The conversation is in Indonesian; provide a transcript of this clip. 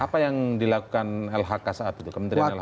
apa yang dilakukan lhk saat itu kementerian lhk